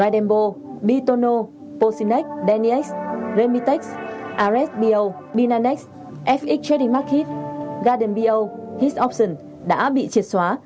đã bị triệt xóa